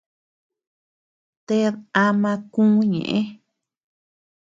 Ted ama kü ñeʼë.